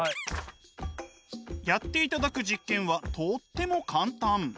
やっていただく実験はとっても簡単。